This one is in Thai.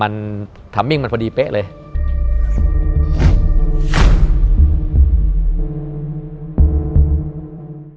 มันทำมิ่งมันพอดีเป๊ะเลย